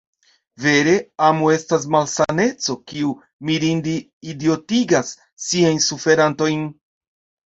Vere, amo estas malsaneco, kiu mirinde idiotigas siajn suferantojn!